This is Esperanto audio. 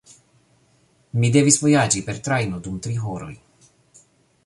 Mi devis vojaĝi per trajno dum tri horoj.